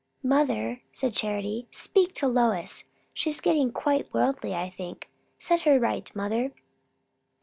"Mother," said Charity, "speak to Lois! She's getting right worldly, I think. Set her right, mother!"